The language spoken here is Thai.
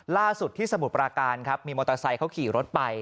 ล่าสุดที่สมุทรปราการครับมีมอเตอร์ไซค์เขาขี่รถไป